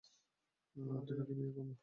টিনাকেই বিয়ে করবো।